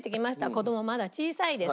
子供まだ小さいです。